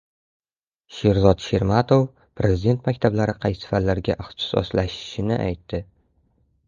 Sherzod Shermatov Prezident maktablari qaysi fanlarga ixtisoslashishini aytdi